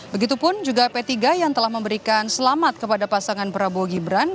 begitupun juga p tiga yang telah memberikan selamat kepada pasangan prabowo gibran